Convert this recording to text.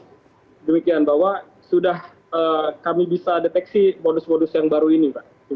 dan demikian bahwa sudah kami bisa deteksi modus modus yang baru ini